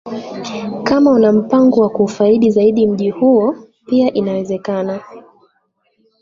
Kama una mpango wa kuufaidi zaidi mji huo pia inawezekana